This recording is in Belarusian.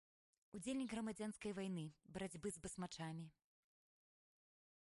Удзельнік грамадзянскай вайны, барацьбы с басмачамі.